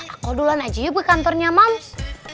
aku duluan aja yuk ke kantornya mams